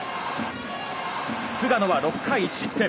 菅野は６回１失点。